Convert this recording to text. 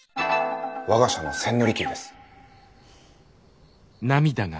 「我が社の千利休です」。